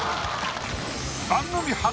番組初！